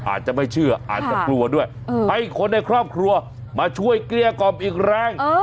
อาจจะไม่เชื่ออาจจะกลัวด้วยให้คนในครอบครัวมาช่วยเกลี้ยกล่อมอีกแรง